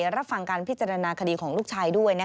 รับฟังการพิจารณาคดีของลูกชายด้วย